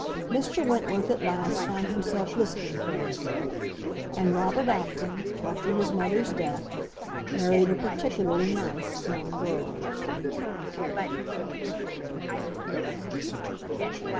Mr. Wentworth at last found himself listening for it; and Robert Acton, after his mother's death, married a particularly nice young girl.